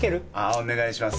お願いします。